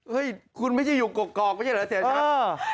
เฮ้ยคุณไม่ใช่อยู่กอกไม่ใช่เหรอเสียชัด